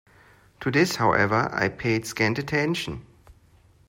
To this, however, I paid scant attention.